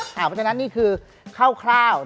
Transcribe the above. เพราะฉะนั้นนี่คือคร่าว